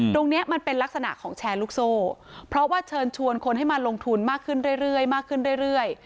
ตรงนี้มันเป็นลักษณะของแชร์ลูกโซ่เพราะว่าเชิญชวนคนให้มาลงทุนมากขึ้นเรื่อย